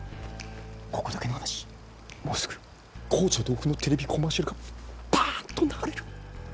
ここだけの話もうすぐ紅茶豆腐のテレビコマーシャルがバンと流れる。